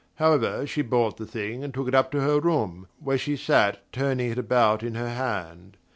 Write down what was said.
However, she bought the thing and took it up to her room, where she sat turning it about in her hand.